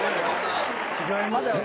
違いますね。